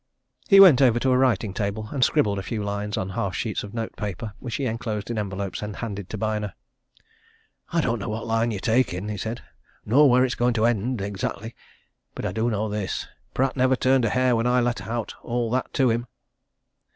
He went over to a writing table and scribbled a few lines on half sheets of notepaper which he enclosed in envelopes and handed to Byner. "I don't know what line you're taking," he said, "nor where it's going to end exactly. But I do know this Pratt never turned a hair when I let out all that to him."